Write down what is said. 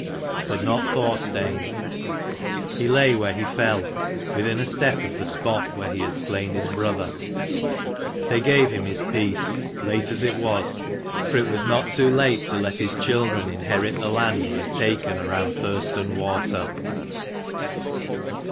But not Thorstein. He lay where he fell, within a step of the spot where he had slain his brother. They gave him his peace, late as it was : for it was not too late to let his children inherit the land he had taken around Thurston water.